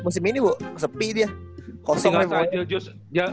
musim ini bu sepi dia